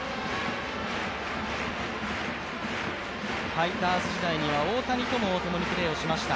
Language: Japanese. ファイターズ時代には大谷ともともにプレーしました。